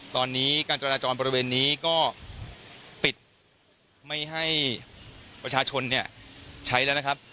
ตอนนี้การจราจรบริเวณนี้ก็ปิดไม่ให้ประชาชนเนี่ยใช้แล้วนะครับ